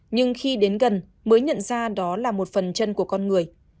nhưng khi đến gần mới nhận ra đó là một phần chân của con người